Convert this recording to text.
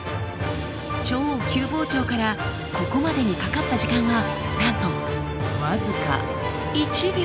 超急膨張からここまでにかかった時間はなんと僅か１秒！